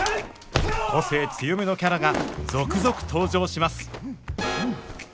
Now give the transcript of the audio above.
個性強めのキャラが続々登場します